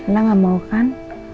nah gak mau kan